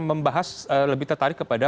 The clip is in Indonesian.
membahas lebih tertarik kepada